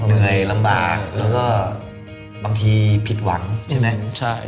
เหนื่อยลำบากแล้วก็บางทีผิดหวังใช่ไหม